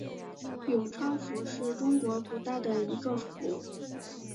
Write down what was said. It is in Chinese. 永昌府是中国古代的一个府。